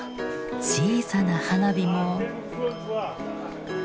小さな花火も。